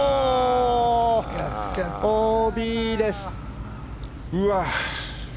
ＯＢです。